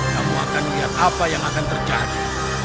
kamu akan lihat apa yang akan terjadi